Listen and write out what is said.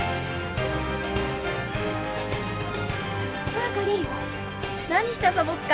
さあかりん何して遊ぼっか？